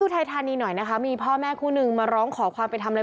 ไทยธานีหน่อยนะคะมีพ่อแม่คู่นึงมาร้องขอความเป็นธรรมเลย